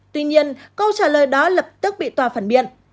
tuy nhiên câu trả lời đó lập tức bị tòa phản biện